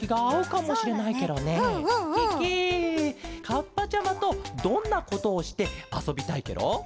カッパちゃまとどんなことをしてあそびたいケロ？